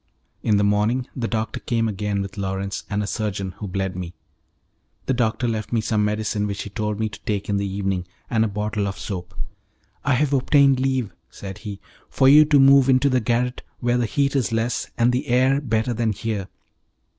In he morning the doctor came again with Lawrence and a surgeon, who bled me. The doctor left me some medicine which he told me to take in the evening, and a bottle of soap. "I have obtained leave," said he, "for you to move into the garret where the heat is less, and the air better than here."